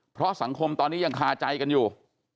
เพราะสังคมตอนนี้ยังคาใจกันอยู่